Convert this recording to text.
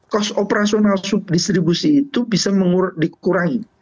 cost operasional subdistribusi itu bisa dikurangi